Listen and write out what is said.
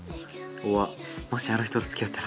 ｏｒ「もしあの人と付き合ったら」